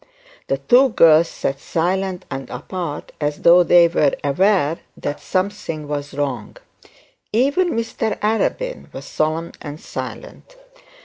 The two girls sat silent and apart as though they were aware that something was wrong. Even Mr Arabin was solemn and silent.